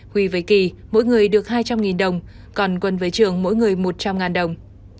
huy với kỳ mỗi người được hai trăm linh đồng còn quân với trường mỗi người một trăm linh đồng